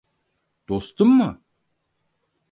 Dostum mu?